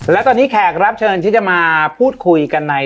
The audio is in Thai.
และตอนนี้แขกรับเชิญที่จะมาพูดคุยกันใน